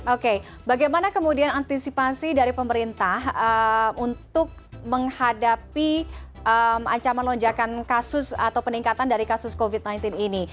oke bagaimana kemudian antisipasi dari pemerintah untuk menghadapi ancaman lonjakan kasus atau peningkatan dari kasus covid sembilan belas ini